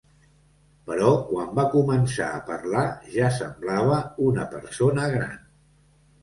Però quan va començar a parlar ja semblava una persona gran.